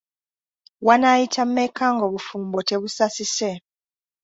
Wannaayita mmeka ng'obufumbo tebusasise?